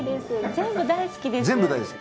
全部大好きです。